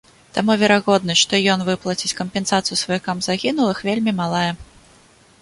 Таму верагоднасць, што ён выплаціць кампенсацыю сваякам загінулых, вельмі малая.